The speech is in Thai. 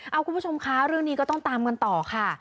เอาคุณผู้ชมคะเรื่องนี้ก็ต้องตามกันต่อค่ะ